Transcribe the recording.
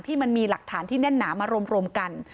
มันมีหลักฐานที่แน่นหนามารวมกัน